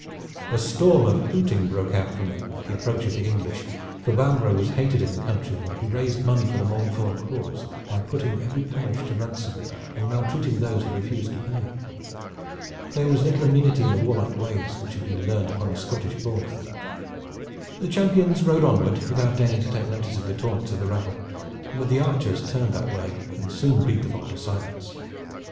A storm of hooting broke out from them at the approach of the English, for Bambro' was hated in the country where he raised money for the Montfort cause by putting every parish to ransom and maltreating those who refused to pay. There was little amenity in the warlike ways which had been learned upon the Scottish border. The champions rode onward without deigning to take notice of the taunts of the rabble, but the archers turned that way and soon beat the mob to silence.